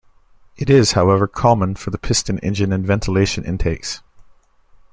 It is, however, common for piston engine and ventilation intakes.